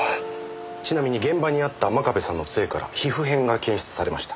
ちなみに現場にあった真壁さんの杖から皮膚片が検出されました。